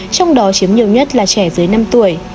trong đó chiếm nhiều nhất là trẻ dưới năm tuổi